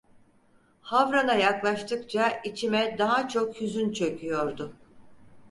Havran'a yaklaştıkça içime daha çok hüzün çöküyordu.